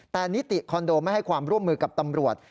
แต่นิติคอนโดไม่ให้ความร่วมมือกับตำรวจ